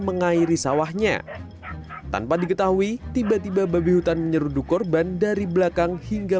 mengairi sawahnya tanpa diketahui tiba tiba babi hutan menyeruduk korban dari belakang hingga